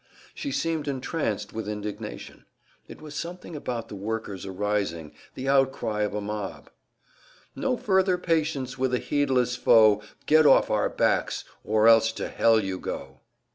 She seemed entranced with indignation. It was something about the workers arising the outcry of a mob "No further patience with a heedless foe Get off our backs, or else to hell you go!"